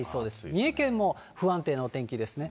三重県も不安定なお天気ですね。